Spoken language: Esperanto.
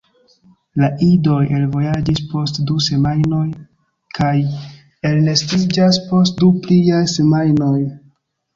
La idoj eloviĝas post du semajnoj kaj elnestiĝas post du pliaj semajnoj.